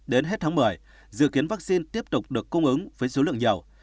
đến hết tháng một mươi dự kiến vaccine tiếp tục được cung ứng với số lượng nhiều